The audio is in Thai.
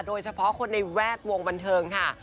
โดยเฉพาะคนในแวดวงบันเทิงค่ะ